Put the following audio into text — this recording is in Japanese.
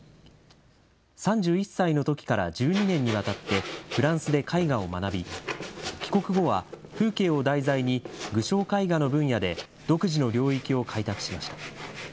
３１歳のときから１２年にわたってフランスで絵画を学び、帰国後は風景を題材に、具象絵画の分野で独自の領域を開拓しました。